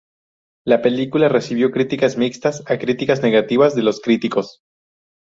La película recibió críticas mixtas a críticas negativas de los críticos.